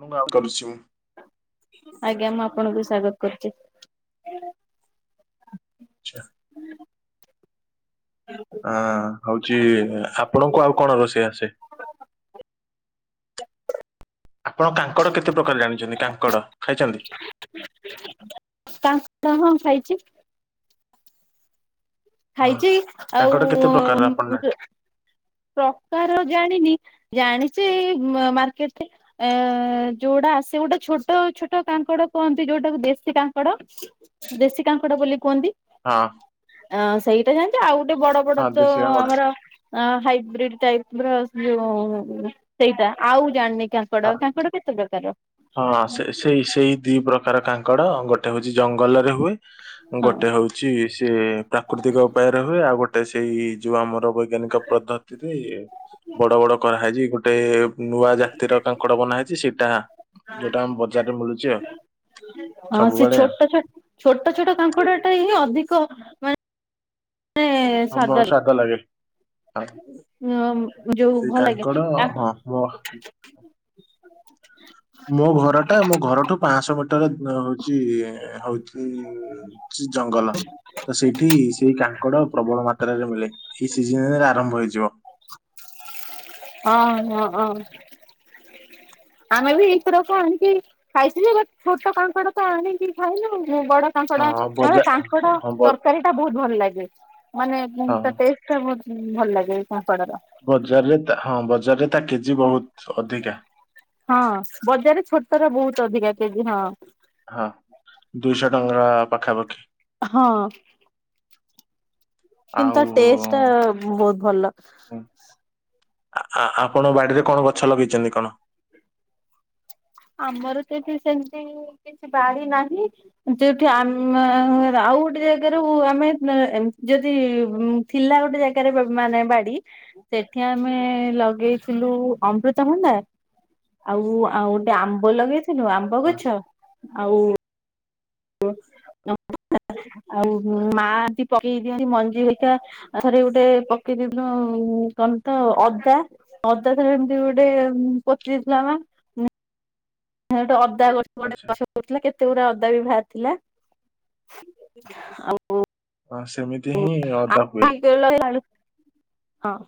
ମୁ କଲ୍ କରିଚି। ଆଜ୍ଞା ମୁଁ ଆପଣଙ୍କୁ ସ୍ଵାଗତ କରୁଛି। ଆଚ୍ଛା। ହଁ ହଉଛି ଆପଣଙ୍କୁ ଆଉ କଣ ରୋଷେଇ ଆସେ? ଆପଣ କାଙ୍କଡ କେତେ ପ୍ରକାର ଜାଣିଛନ୍ତି କାଙ୍କଡ଼ ଖାଇଛନ୍ତି। କ କ ହଁ ଖାଇଛି। ହଁ। ଖାଇଛି ଆଉ କାଙ୍କଡ କେତେ ପ୍ରକାରର ଆପଣ ନା ପ୍ରକାର ଜାଣିନି ଜାଣିଛିେ ମାର୍କେଟରେ ଏ ଯୋଉଟା ଆସେ ଗୋଟେ ଛୋଟ ଛୋଟ କାଙ୍କଡ କୁହନ୍ତି ଯୋଉଟାକୁ ଦେଶୀ କାଙ୍କଡ। ଦେଶୀ କାଙ୍କଡ ବୋଲି କୁହନ୍ତି। ହଁ ଅ ସେଇଟା ଯୋତି ଆଉ ଗୋଟେ ବଡ ବଡ ହଁ ତ ଦେଶୀ କାଙ୍କଡ। ଆମରାଇ ପ ର ଯୋଉ ସେଇଟା ଆଉ ଜାଣିନି କ। କଙ୍କଡ କାଙ୍କଡ କେତେ ପ୍ରକାର? ହଁ ସେ ସେଇ ସେଇ ଦି ପ୍ରକାର କାଙ୍କଡ଼, ଗୋଟେ ହଉଛି ଜଙ୍ଗଲରେ ହୁଏ, ହଁ ଗୋଟେ ହଉଛି ଛି ସେ ପ୍ରାକୃତିକ ଉପାୟରେ ହୁଏ, ଆଉ ଗୋଟେ ସେଇ ଯୋଉ ଆମର ବୈଜ୍ଞାନିକ ପଦ୍ଧତି ସେ ବଡ ବଡ କରାହଇଛି ଗୋଟେ ନୂଆ ଯା ତୀରର କାଙ୍କଡ ବନାହଇଛି ସେଇଟା ଯୋଉଟା ଆମ ବଜାରରେ ମିଳୁଛି ଆଉ। ହଁ ସେ ସବୁବେଳେ। ଛୋଟ ଛୋଟ ଛୋଟ ଛୋଟ କାଙ୍କୁଡ ଟା ହିଁ ଅଧିକ ମାନେ ହଁ ଭ ସାଧା ଲାଗେ ହଁ। ହ ଯୋଉ ଭଲ ଲ ତାକୁ ଓହ। ମୋ ଘର ଟା ମୋ ଘରଠୁ ପାଁଶହ ମିଟର ଅ, ହଉଚି ହଉଚୁ ଚି ଜଙ୍ଗଲ। ତ ସେଇଠି ସେଇ କାଙ୍କଡ ପ୍ରବଳ ମାତ୍ରାରେ ମିଳେ ଏଇ ସିଜିନ୍ ରେ ଆରମ୍ଭ ହେଇଯିବ। ଅଁ, ହଁ, ଅଁ,। ଆମେ ବି ଏଇଥରକ ଆଣିକି ଖାଇଥିଲେ ବଟ୍ ଛୋଟ କାଙ୍କଡ ତ ଆଣିକି ଖାଇନୁ। ମୁଁ ବଡ କାଙ୍କଡ ହଁ ବା କାଙ୍କଡ ହଁ ବ ତରକାରୀ ଟା ବହୁତ ଭଲ ଲାଗେ। ମାନେ ଉଁ, ହଁ। ତା ଟେଷ୍ଟ ଟା ବହୁତ ଉଁ, ଭଲ ଲାଗେ ଏଇ କଙ୍କଡାର। ବଜାରରେ ତା ହଁ ବଜାରରେ ତା କେଜି ବହୁତ ଅଧିକା। ହଁ ବଜାରରେ ଛୋଟ ର ବହୁତ ଅଧିକା କେଜି ହଁ। ହଁ ଦୁଇଶହ ଟଙ୍କା ପାଖାପାଖି। ହଁ କିନ୍ତୁ ତା ଆଉ ଟେଷ୍ଟ ଟା ବହୁତ ଭଲ। ହଁ, ଆ, ଆ, ଆପଣ ବାଡିରେ କଣ ଗଛ ଲଗେଇଛନ୍ତି କଣ? ଆମର ତ ଏଠି ସେମିତି କିଛି ବାଡି ନାହିଁ। ଯୋଉଠି ଆମେ ଆଉ ଗୋଟେ ଜାଗାରୁ ଆମେ ଅ, ଏ ଯଦି ଉଁ, ଥିଲା ଗୋଟେ ଜାଗାରେ ବ-ମାନେ ବାଡି। ସେଠି ଆମେ ଲଗେଇଥିଲୁ ଅମୃତଭଣ୍ଡା। ଆଉ ଆଉ ସେ ଆମ୍ବ ଲଗେଇଥିଲୁ ଆମ୍ବ ହଁ, ଗଛ। ଆଉ ଉ, [inaudible] ଆଉ ହୁଁ, ମା ବି ପକେଇ ଦିଅନ୍ତି ମଞ୍ଜି ହେକା। ଆ, ଥରେ ଗୋଟେ ପକେଇଦେଇଥିଲୁ ଉ, କଣ ଥ ଅଦା। ଅଦା ଥରେ ଏମତି ଗୋଟେ ଉଁ, ପୋଚି ଦେଇଥିଲା ମା। ସେଇଠି ଅଦା ଗଛ ଗୋଟେ ଆଚ୍ଛା ଗଛ ଗୋଟେ ଥିଲା କେତେଗୁରେ ଅଦା ବି ବାହାରି ଥିଲା। ଆଉ ହଁ ସେମିତି ହିଁ ଅଦା ହୁଏ। [unintelligible] ହଁ।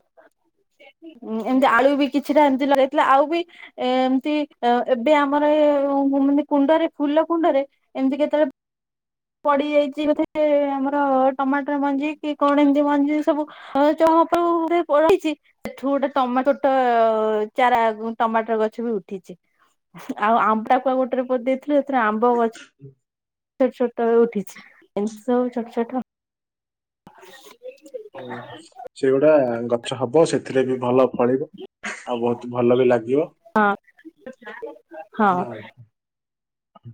ଉଁ, ଏମିତି ଆଳୁ ବି କିଛିଟା ଏମିତି ଲଗେଇଥିଲେ। ଆଉ ବି ଏମତି ଅ, ଏବେ ଆମର ଏ ଅ, ମ-ମାନ କୁଣ୍ଡରେ ଫୁଲ କୁଣ୍ଡରେ ଏମିତି କେତେଳେ ପଡିଯାଇଚି ବୋଧେ ଆମର ଟମାଟର ମଞ୍ଜି କି କଣ ଏମିତି ମଞ୍ଜି ସବୁ ଅ, ଚ- ହାପେ ଉ, ଉଠେ ପ-ରହିଛି। ସେଠୁ ଗୋଟେ ଟମାଟ ଟ- ଚାରା ଗୁ-ଟମାଟର ଗଛ ବି ଉଠିଛି। ଆଉ ଆମ୍ବଟା କୁ ଆଉ ଗୋଟେରେ ପ ଦେଇଥିଲୁ ସେଥିରେ ଆମ୍ବ ଗଛ ସେ ଛୋଟ ଳୁ ଉଠିଛି ଏମ୍ ସବୁ ଛୋଟ ଛୋଟ। ହୁଁ [inaudible] ସେଗୁଡା ଗଛ ହବ ସେଥିରେ ବି ଭଲ ଫଳିବ। ଆଉ ବହୁତ ଭଲ ବି ଲାଗିବ। ହଁ। ଅଁ, ହଁ।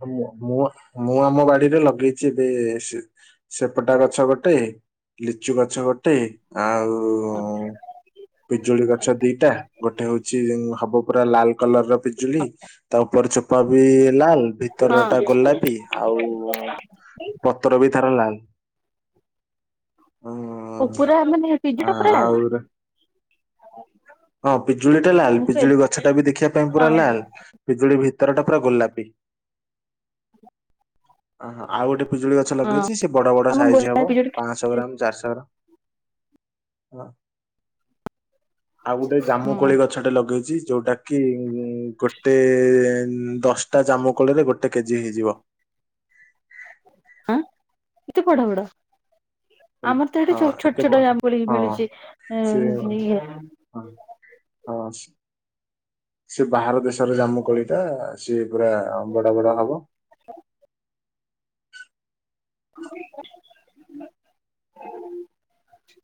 ହଁ ମୋ ମୁଁ ମୁଁ ଆମ ବାଡିରେ ଲଗେଇଛି ଏବେ ସି ସେପଟା ଗଛ ଗୋଟେ ଲିଚୁ ଗଛ ଗୋଟେ ଆଉ ପିଜୁଳି ଗଛ ଦିଟା, ଗୋଟେ ହଉଛି ହବ ପୁରା ଲାଲ କଲର୍ ର ପିଜୁଳି। ତା ଉପର ଚୋପା ବି ଲାଲ ଭିତର ଟା ହଁ ଗୋଲାପୀ। ଆଉ ପତ୍ର ବି ତାର ଲାଲ। ଓ ଉଁ ପୁରା ମାନେ ପିଜ ଆ- ପୁରା ଲାଲ। ଆଉ ହଁ ପିଜୁଳି ଟା ଲାଲ ମୁଁ କହିଲି ପିଜୁଳି ଗଛ ଟା ବି ଦେଖିବା ପାଇଁ ହଁ ପୁରା ଲାଲ। ପିଜୁଳି ଭିତର ଟା ପୁରା ଗୋଲାପୀ। ଓ ହଁ, ଆଉ ଗୋଟେ ପିଜୁଳି ଗଛ ହଁ ଲଗେଇଛି ସେ ବଡ ବଡ ଆମ ସାଇଜ ହବ ଗୋଲାପୀ ଯୋଉଠି ପାଁ ଶଅ ଖାଉଚେ ଗ୍ରାମ ଚାରିଶ ଗ୍ରାମ ହଁ। ଆଉ ଗୋଟେ ହଁ ଜାମୁକୋଳି ଗଛ ଟେ ଲଗେଇଚି, ଯୋଉଟା କି ଗୋଟେ ଦଶଟା ଜାମୁକୋଳିରେ ଗୋଟେ କେଜି ହେଇଯିବ। ଆଁ, ଏତେ ବଡ଼-ବଡ଼? ଆମର ତ ଏଠି ହଁ ଏତେ ବ ଛୋଟ-ଛୋଟ ଜାମୁକୋଳି ହଁ ମିଳୁଚି [unintelligible] ହଁ-ହଁ ସେ ବାହାର ଦେଶରେ ଜାମୁକୋଳିଟା। ସିଏ ପୁରା ବଡ-ବଡ ହବ। [inaudible] [inaudible]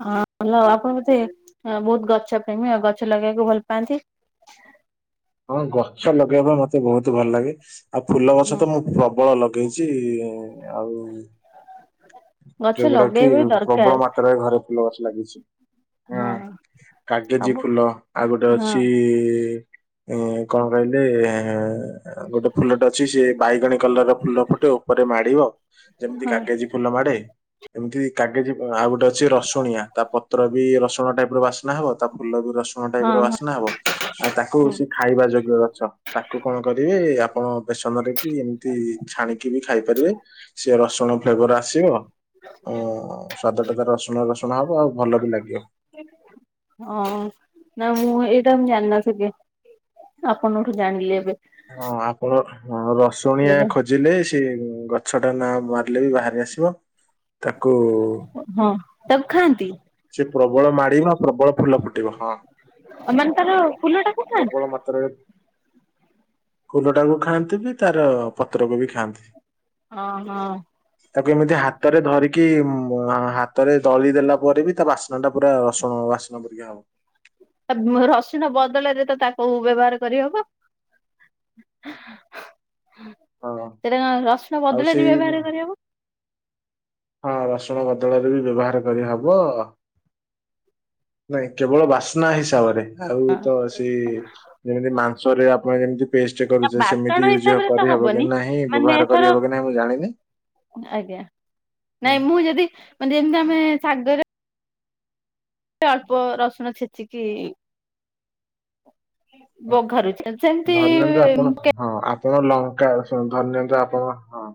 ହଁ ଭଲ ଆପଣ ବୋଧେ ବହୁତ୍ ଗଛ ପ୍ରେମୀ ଆଉ ଗଛ ଲଗେଇବାକୁ ଭଲ ପାଆନ୍ତି। ହଁ ଗଛ ଲଗେଇବା ପାଇଁ ମତେ ବହୁତ୍ ଭଲ ଲାଗେ ଆଉ ଫୁଲ ଗଛ ତ ମୁଁ ପ୍ରବଳ ଲ ଗେଇଚି ଆଉ ଗଛ ଯୋଉଗୁଡା କି ଲଗେଇବା ବି ଦରକାର ପ୍ରବଳ ମାତ୍ରାରେ ଘରେ ଫୁଲଗଛ ଲାଗିଚି। ହଁ କାଗେଜି ସବୁ ଫୁଲ ଆଉ ଗୋଟେ ହଁ ଅଛି ଏ କଣ କହିଲେ ଗୋଟେ ଫୁଲଟେ ଅଛି ସେ ବାଇଗଣୀ କଲର ର ଫୁଲ ଫୁଟେ ଉପରେ ମାଡିବ ଯେମ୍ତି ହଁ କାଗେଜୀ ଫୁଲ ମାଡେ। ଏମ୍ତି କାଗେଜି ଆଉ ଗୋଟେ ଅଛି ରସୁଣିଆ ତା ପତ୍ର ବି ରସୁଣ ଟାଇପ୍ ର ବାସ୍ନା ହବ ତା ଫୁଲ ବି ର କଣ ଟାଇପ୍ ହଁ ର ହଁ। ବାସ୍ନା ହବ, ଆଉ ତାକୁ ହୁଁ ସେ ଖାଇବା ଯୋଗ୍ୟ ଗଛ। ତାକୁ କଣ କରିବେ ଆପଣ ବେସନରେ କି ଏମ୍ତି ଛାଣିକି ବି ଖାଇପାରିବେ। ସିଏ ରସୁଣ ଫ୍ଲେବର୍ ଆସିବ ସ୍ଵାଦ ଟା ତାର ରସୁଣ ରସୁଣା ହବ ଆଉ ଭଲ ବି ଲାଗିବ। ହଁ ନା ମୁଁ ଏଇଟା ମୁଁ ଜାଣିନଥିଲି। ଆପଣଙ୍କଠୁ ଜାଣିଲେ ଏବେ। ହଁ ଆପଣ ରସୁଣିଆ ଖ ବଞ୍ଚିଲେ ସେ ଗଛଟା ନା ମାରିଲେ ବି ବାହାରି ଆସିବ, ତାକୁ ହଁ ତାକୁ ଖାଆନ୍ତି? ସେ ପ୍ରବଳ ମାଡିବ ନା ପ୍ରବଳ ଫୁଲ ଫୁଟିବ ହଁ ମାନେ ତାର ଫୁଲ ଟାକୁ ଖାଆନ୍ତି ପ୍ରବଳ ମାତ୍ରାରେ ଫୁଲଟାକୁ ଖାଆନ୍ତିନି ତାର ପତ୍ରକୁ ବି ଖାଆନ୍ତି। ହଁ-ହଁ। ତାକୁ ଏମିତି ହାତରେ ଧରିକି ହାତରେ ଦଳି ଦେଲା ପରେ ତା ବାସ୍ନା ଟା ପୁରା ରସୁଣ ବାସ୍ନା ପରିକା ହବ। ଆ ରସୁଣ ବଦଳରେ ତ ତାକୁ ବ୍ୟବହାର କରିହବ। ହଁ ସେଟା କଣ ରସୁଣ ଆଉ ବଦଳରେ ସେଇ ବ୍ୟବହାର କରିହବ? ହଁ ରସୁଣ ବଦଳରେ ବି ବ୍ୟବହାର କରିହବ। ନାଇଁ କେବଳ ବାସ୍ନା ହିସାବରେ ଆଉ ତ ସେଇ ଯେମିତି ମାଂସରେ ଆପଣ ଯେମ୍ତି ପେଷ୍ଟ ନା କରୁଚେ ବାଟଣ ସେମିତି ୟୁଜ୍ ହିସାବରେ ତ କରିହବ କି ହବନି ନାହିଁ ମାନେ ବ୍ୟବହାର ଏଥର କରିହବ କି ନାଇଁ ମୁଁ ଜାଣିନି। ଆଜ୍ଞା, ହୁଁ ନାଇଁ ମୁଁ ଯଦି ମାନେ ଯେମ୍ତି ଆମେ ଶାଗରେ ଅଳ୍ପ ରସୁଣ ଛେଚିକି ବଘାରୁଛେ ସେମିତି ଧରିନିଅନ୍ତୁ ଆପଣ ହଁ ଆପଣଙ୍କ ଲଙ୍କା ରସୁଣ ଧରିନିଅନ୍ତୁ ଆପଣଙ୍କ ହଁ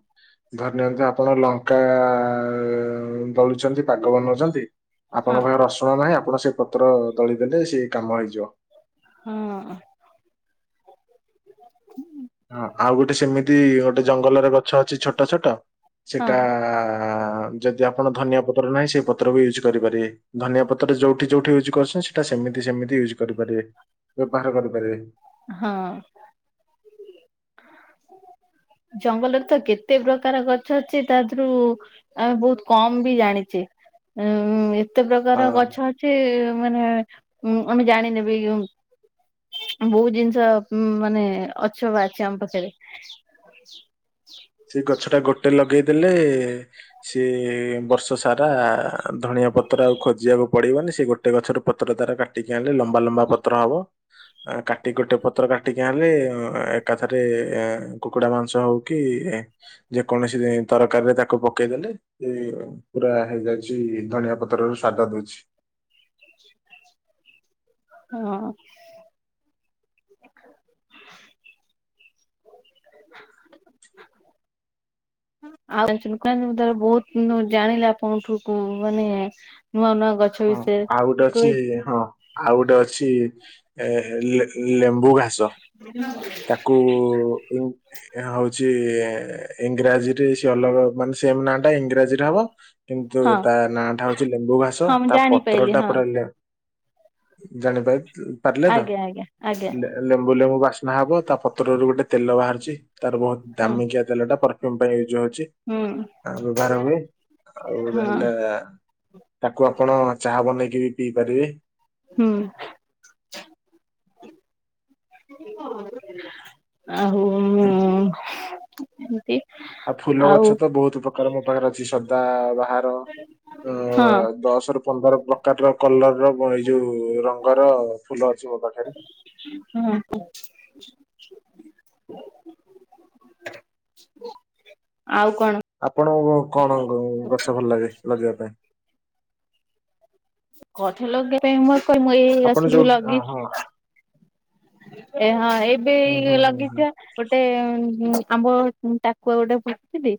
ଧରି ନିଅନ୍ତୁ ଆପଣ ଲଙ୍କା [unintelligible] ପାଗ ବନଉଚନ୍ତି ହଁ ଆପଣଙ୍କ ପାଇଁ ରସୁଣ ନାହିଁ ଆପଣ ସେ ପତ୍ର ଦଳି ଦେଲେ ସିଏ କାମ ହେଇଯିବ। ହଁ। ହଁ। ଆଉ ଗୋଟେ ସେମିତି ଗୋଟେ ଜଙ୍ଗଲରେ ଗ ଗଛ ଅଛି ଛୋଟ ଛୋଟ ହଁ ସେଟା ଯଦି ଆପଣ ଧନିଆ ପତ୍ର ନାହିଁ ସେଇ ପତ୍ର ବି ୟୁଜ୍ କରିପାରିବେ। ଧନିଆ ପତ୍ର ଯୋଉଠି ଯୋଉଠି ୟୁଜ୍ କରୁଛନ୍ତି ସେଟା ସେମିତି ସେମିତି ୟୁଜ୍ କରିପାରିବେ। ବ୍ୟବହାର କରିପାରିବେ। ହଁ। ଜଙ୍ଗଲରେ ତ କେତେ ପ୍ରକାର ଗଛ ଅଛି ତା ଧୁରୁ ଆମେ ବହୁତ କମ୍ ବି ଜାଣିଚେ। ଉଁ କେତେ ପ୍ରକାର ହଁ ଗଛ ଅଛି ମାନେ ଉ ଆମେ ଜାଣିନେବି - ବହୁତ ଜିନିଷ ମାନେ ଅଛୁପା ଅଛି ଆମ ପାଖରେ। ସେ ଗଛ ଟା ଗୋଟେ ଲଗେଇଦେଲେ ସିଏ ବର୍ଷ ସାରା ଧଣିଆ ପତ୍ର ଆଉ ଖୋଜିବାକୁ ପଡିବନି ସେ ଗୋଟେ ଗଛର ପତ୍ର ଦ୍ଵାରା କାଟିକି ଆଣିଲେ ଲମ୍ବା ଲମ୍ବା ପତ୍ର ହବ। କାଟି ଗୋଟେ ପତ୍ର କାଟିକି ଆଣିଲେ ଏକାଥରେ କୁକୁଡା ମାଂସ ହଉ କିି ଯେକୌଣସି ତରକାରୀରେ ତାକୁ ପକେଇଦେଲେ ସେ ପୁରା ହେଇଯାଇଛି ଧନିଆ ପତ୍ରରୁ ସ୍ଵାଦ ଦଉଚି। ହଁ। ସେଇଥିପାଇଁ ଆଉ ବହୁତ ଜାଣିଲେ ଆପଣଙ୍କଠୁକୁ ମାନେ ନୂଆ ନୂଆ ଗ ହଁ ଆଉ ଗୋଟେ ଅଛି ହଁ ଆଉ ଗୋଟେ ଅଛି ଏ ଲେମ୍ବୁ ଘା ତାକୁ ଇ ଏହା ହଉଛି ଇଂରାଜୀରେ ସେ ଅଲଗା ମାନେ ସେମ୍ ନାଁ ଟା ଇଂରାଜୀରେ ହବ। କିନ୍ତୁ ହଁ ତା ନାଁ ଟା ହଉଛି ଲେମ୍ବୁ ଘାସ ହଁ ମୁଁ ତା ପତ୍ର ଜାଣିପାରିଲି ଟା ହଁ ପୁରା ଜାଣିପାର ପାରିଲେ ତ? ଆଜ୍ଞା ଆଜ୍ଞା ଆଜ୍ଞା ଲେମ୍ବୁ ଲେମ୍ବୁ ବା ରନ୍ଧା ହବ ତା ପତ୍ରରୁ ଗୋଟେ ତେଲ ବାହାରିଛି ତାର ବହୁତ ହଁ। ଦାମିକିଆ ତେଲ ଟା ପରଫ୍ୟୁମ ପାଇଁ ୟୁଜ୍ ହଉଚି। ହୁଁ ଆ ବ୍ୟବହାର ହଏ ଆଉ ହଁ ରହିଲା ତାକୁ ଆପଣ ଚାହା ବନେଇକି ବି ପିଇ ପାରିବେ। ହୁଁ। ଆଉ ଏମିତି ଆଉ ଫୁଲ ଗଛ ତ ବହୁତ ପ୍ରକାର ମୋ ପାଖରେ ଅଛି। ସଦା ବାହାର୍ ହଁ ଦଶର ପନ୍ଦର ପ୍ରକାର ର କଲର ର ଏଇ ଯୋଉ ରଙ୍ଗର ଫୁଲ ଅଛି ମୋ ପାଖରେ। ହୁଁ କୁହ। ଆଉ କଣ? ଆପଣ କଣ ଗଛ ଭଲ ଲାଗେ ଲଗେଇବା ପାଇଁ? ଗଛ ଲଗେଇବା ପାଇଁ ମୋର କହ ମୁଁ ଏଇ ଗଛ ଆପଣ ସବୁ ଯୋଉଠି ହଁ ହଁ ଲଗେଇଛି। ଏହା ଏବେ ହଁ ଏଇ ହଁ ଲଗେଇଥି ଗୋଟେ ଆମ୍ବ ଟାକୁଆ ଗୋଟେ ବୁଥିଲି।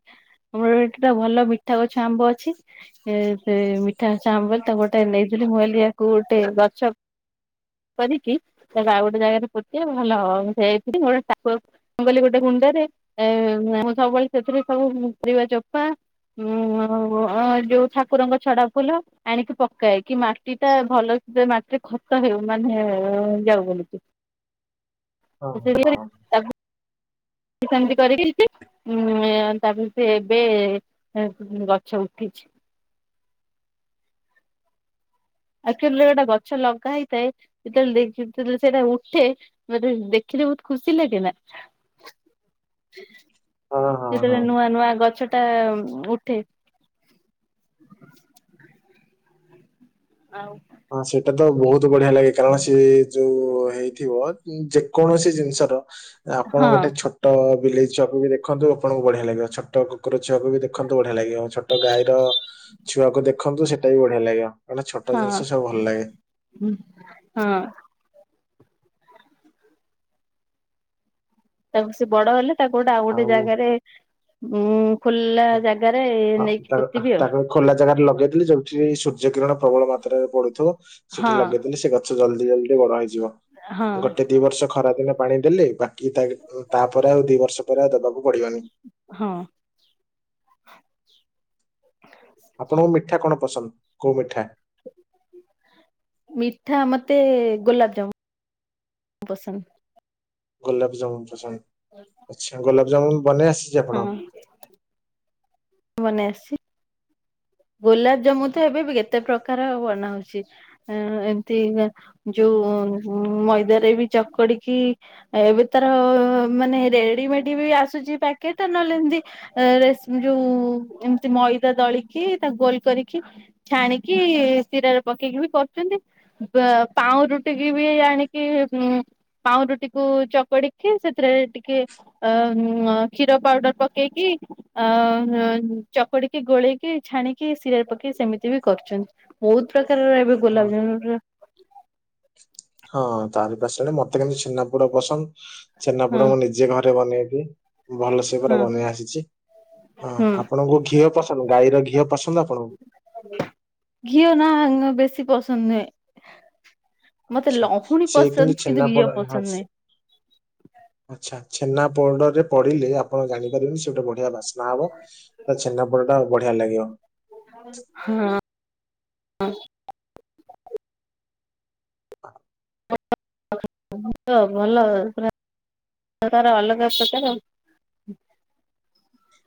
ଆମର ଏଠି ତ ଭଲ ମିଠା ଗଛ ଆମ୍ବ ଅଛି। ଏ ସେ ମିଠା ଗଛ ଆମ୍ବ ତା ଗୋଟେ ଗୋଟେ ନେଇଥିଲି। ମୁଁ ଭାବିଲି ଆକୁ ଗୋଟେ ଗଛ କରିକି ତାକୁ ଆଉ ଗୋଟେ ଜାଗାରେ ପୋତିଲେ ଭଲ ହବ। ମୁଁ ସେଥିଲି ଗୋଟେ ମୁଁ କହିଲି ଗୋଟେ ଗୁଣ୍ଡରେ ମୁଁ ସବୁବେଳେ ସେଥିରେ ସବୁ ପରିବା ଚୋପା ହଁଉ ଯୋଉ ଠାକୁରଙ୍କ ଛଡା ଫୁଲ ଆଣିକି ପ ପକାଏ କି ମାଟି ଟା ଭଲ ମାଟିରେ ଖତ ହେଉ ମାନେ ଯାଉ ବୋଲିକି। ହଁ। ହ। ହଁ। ତାକୁ ସେମିତି କରିକି ଉ ତାପରେ ସେ ଏବେ ଗଛ ଉଠିଛି। ଏକ୍ଟୁଆଲି ଗୋଟା ଗଛ ଲଗା ହେଇଥାଏ। ସେତେବେଳେ ଯେତେବେଳେ ସେଇଟା ଉଠେ ମତେ ଦେଖିଲେ ବହୁତ ଖୁସି ଲାଗେ ନା? ହଁ ହଁ। ଯେତଳେ ହଁ ନୂଆ ନୂଆ ଗଛଟା ଉଠେ। ଆଉ ହଁ ସେଇଟା ତ ବୋହୁତ ବଢ଼ିଆ ଲାଗେ କାରଣ ସେ ଯୋଉ ହେଇଥିବ। ଉଁ ଯେକୌଣସି ଜିନିଷର ଆପଣ ହଁ ଗୋଟେ ଛୋ ଟ ବିଲେଇ ଛଅକୁ ବି ଦେଖନ୍ତୁ ଆପଣଙ୍କୁ ବଢ଼ିଆ ଲାଗିବ ଛୋଟ କୁକୁର ଛୁଆକୁ ବି ଦେଖନ୍ତୁ ବଢ଼ିଆ ଲାଗିବ ଛୋଟ ଗାଈର ଛୁଆକୁ ଦେଖନ୍ତୁ ସେଟା ବି ବଢ଼ିଆ ଲାଗିବ କାରଣ ଛଟ ଜିନିଷ ସବୁ ଭଲ ଲାଗେ। ଉଁ ହଁ। ତାକୁ ସେ ବଡ଼ ହେଲେ ତାକୁ ଗୋଟେ ଆଉ ଗୋଟେ ଜାଗାରେ ଉଁ ଖୋଲା ଜାଗାରେ ହଁ, ନେଇକି ତା- ପୋତିିବି ଆଉ। ତାକୁ ଖୋଲା ଜାଗାରେ ଲଗେଇଥିଲି ଯୋଉଠି ସୂର୍ଯ୍ୟ କିରଣ ପ୍ରବଳ ମାତ୍ରାରେ ପଡୁଥୁବ ସେଇଠି ହଁ ଲଗେଇ ଦେଲେ ସେ ଗ ଛ ଜଲଦି ଜଲଦି ବଡ଼ ହେଇଯିବ ହଁ ଗୋଟେ ଦି ବର୍ଷ ଖରା ଦିନ ପାଣି ଦେଲେ ବାକି ତାଗେ ଓ ତାପରେ ଆଉ ଦି ବର୍ଷ ପରେ ଆଉ ଦବାକୁ ପଡ଼ିବନି। ହଁ। ହ ଆପଣଙ୍କୁ ମିଠା କଣ ପସନ୍ଦ କୋଉ ମିଠା? ମିଠା ମତେ ଗୋଲାପଜାମୁ ପସନ୍ଦ। ଗୋଲାପଜାମୁନ ପସନ୍ଦ ଆଚ୍ଛା ଗୋଲାପଜାମୁନ ବନେଇ ଆସିଚି ଆପଣ ବନେଇ ଆସଚି। ଗୋଲାପଜାମୁ ତ ଏବେ ବି କେତେ ପ୍ରକାର ବନା ହଉଛି। ଅ ଏମତି ଗା ଯୋଉ ମଇଦାରେ ବି ଚକଡିକି ଏବେ ତାର ମାନେ ରେଡି ମେଡି ବି ଆସୁଚି ପ୍ୟାକେଟ ନହେଲେ ଏମତି ଏ ରେସ୍ ଯୋଉ ଏମତି ମଇଦା ଦଳିକି ତାକୁ ଗୋଲ କରିକି ଛାଣିକି ଶିରାରେ ପକେଇକି ବି କରୁଚନ୍ତି। ପ ପାଉଁରୁଟିିକି ବି ଆଣିକି କୁଁ ପାଉଁରୁଟିକୁ ଚକଡିକି ସେଥିରେ ଟିକେ ଅ ଉଁଅ କ୍ଷୀର ପାଉଡର ପକେଇକି ଅ ହଁ ଚକୁଡିକି ଗୋଳେଇକି ଛାଣି କି ସିରାରେ ପକେଇ ସେମିତି ବି କରୁଚନ୍ତି ବୋହୁତ ପ୍ରକାରର ଏବେ ହଁ ଗୋଲାପଜାମୁନର ହଁ ତାରି ପାଶ ଆଡ଼େ ମତେ କେମିତି ଛେନାପୋଡ଼ ପସନ୍ଦ ହଁ ଛେନାପୋଡ଼ ମୁଁ ନି ଯେ ଘରେ ବନେଇବି। ଭଲସେ ପୁରା ହଁ ବନେଇ ଆସିଚି ହଁ ହୁଁ ଆପଣଙ୍କୁ ଘିଅ ପସନ୍ଦ ଗାଈର ଘିଅ ପସନ୍ଦ ଆପଣଙ୍କୁ? ଘିଅ ନାଁ ଆ ବେଶୀ ପସନ୍ଦ ନୁହେଁ। ମତେ ଆଚ୍ଛା ଲହୁଣୀ ସେ ପସନ୍ଦ କିନ୍ତୁ ଛେନାପୋଡ ଘିଅ ହଁ, ପସନ୍ଦ ସେ- ନୁହେଁ। ଆଚ୍ଛା ଛେନାପୋଡ଼ରେ ପଡ଼ିଲେ ଆପଣ ଜାଣିପାରିବେନି ସିଏ ଓଟେ ବଢ଼ିଆ ବାସ୍ ନା ହବ ତ ଛେନାପୋଡ଼ଟା ବଢ଼ିଆ ଲାଗିବ। ହଁ ଅଁ। [inaudible] ଭଲ ପୁରା ପ୍ରକାର ଅଲଗା ପ୍ରକାର।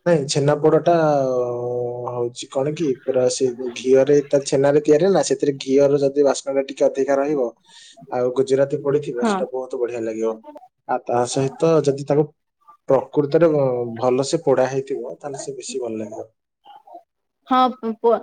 ନାଇଁ ଛେନାପୋଡ଼ଟା ଅ ଓ ହଉଚି କଣ କି ପୁରା ସେ ଗୋଉ ଘିଅରେ ତା ଛେନାରେ ତିଆରି ହେଲା ସେଥିରେ ଘିଅର ଯଦି ବାସ୍ ଆଳା ଟିକେ ଅଧିକା ରହିବ। ଆଉ ଗୁଜୁରାତି ପଡ଼ିଥିବ ସେଟା ବୋହୁତ ବଢ଼ିଆ ଲାଗିବ ଆଉ ତା ସହିତ ଯଦି ତାକୁ ପ୍ରକୃତରେ ବ ଭଲସ ପୋଡ଼ା ହେଇଥିବ ତାହେଲେ ସେ ବେଶୀ ଭଲ ଲାଗିବ। ହଁ ପୁ ପୁଅ